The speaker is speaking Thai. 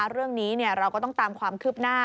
เรื่องนี้เราก็ต้องตามความคืบหน้า